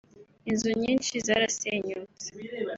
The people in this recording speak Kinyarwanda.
Inzu nyinshi zarasenyutse